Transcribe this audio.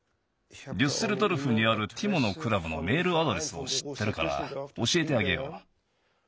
デュッセルドルフにあるティモのクラブのメールアドレスをしってるからおしえてあげよう。